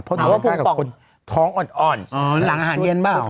เพราะทุกคนท้องอ่อนหลังอาหารเย็นเปล่า